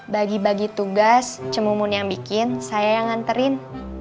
bagi bagi tugas cemumun yang bikin saya yang nganterin